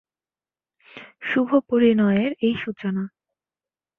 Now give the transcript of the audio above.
শুভপরিণয়ের এই সূচনা।